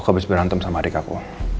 aku habis berantem sama adik aku